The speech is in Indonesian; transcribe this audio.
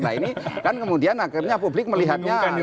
nah ini kan kemudian akhirnya publik melihatnya